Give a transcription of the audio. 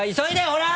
ほら！